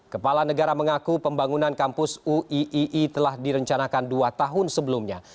kepala negara mengaku pembangunan kampus uii telah direncanakan dua tahun sebelumnya